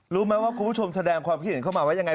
รู้ไหมว่าคุณผู้ชมแสดงความคิดเห็นเข้ามาว่ายังไง